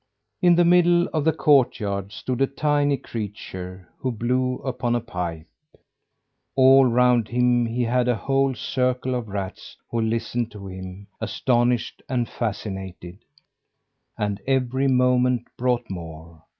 In the middle of the courtyard stood a tiny creature, who blew upon a pipe. All round him he had a whole circle of rats who listened to him, astonished and fascinated; and every moment brought more.